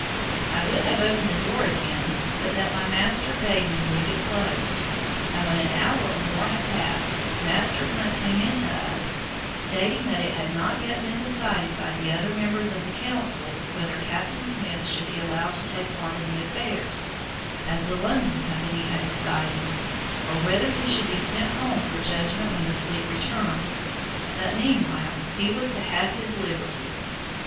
I would have opened the door again, but that my master bade me leave it closed, and when an hour or more had passed, Master Hunt came in to us, stating that it had not yet been decided by the other members of the Council whether Captain Smith should be allowed to take part in the affairs, as the London Company had decided, or whether he should be sent home for judgment when the fleet returned. But meanwhile he was to have his liberty.